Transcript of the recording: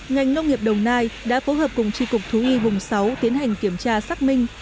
ngành nông nghiệp đồng nai đã phối hợp cùng tri cục thú y vùng sáu tiến hành kiểm tra xác minh